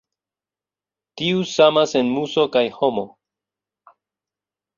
Tiu samas en muso kaj homo.